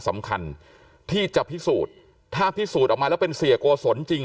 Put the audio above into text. สำคัญที่จะพิสูจน์ถ้าพิสูจน์ออกมาแล้วเป็นเสียโกศลจริง